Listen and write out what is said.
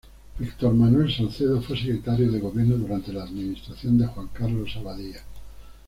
Víctor Manuel Salcedo fue secretario de Gobierno durante la administración de Juan Carlos Abadía.